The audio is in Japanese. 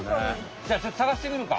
じゃあちょっとさがしてくるか。